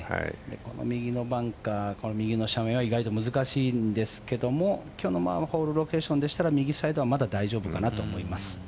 右のバンカー、右の斜面は意外と難しいんですけど今日のホールロケーションでしたら右サイドはまだ大丈夫かなと思います。